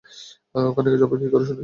ওখানে যাবে কী করে শুনি?